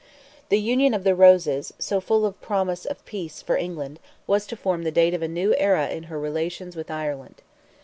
The union of the Roses, so full of the promise of peace for England, was to form the date of a new era in her relations with Ireland.